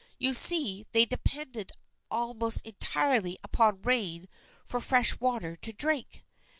You see, they depended almost entirely upon rain for fresh water to drink.